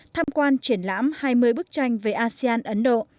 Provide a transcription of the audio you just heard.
tham quan triển lãm hai mươi bức tranh về asean ấn độ